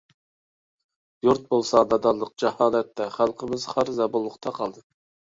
يۇرت بولسا نادانلىق، جاھالەتتە، خەلقىمىز خار-زەبۇنلۇقتا قالدى.